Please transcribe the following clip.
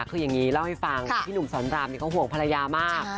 คืออย่างนี้เล่าให้ฟังพี่หนุ่มสอนรามเขาห่วงภรรยามาก